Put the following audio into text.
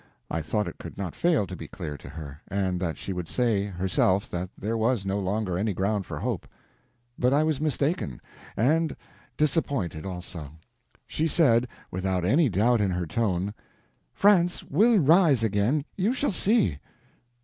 I thought it could not fail to be clear to her, and that she would say, herself, that there was no longer any ground for hope. But I was mistaken; and disappointed also. She said, without any doubt in her tone: "France will rise again. You shall see."